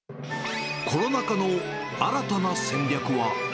コロナ禍の新たな戦略は。